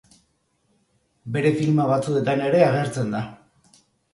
Bere filma batzuetan ere agertzen da.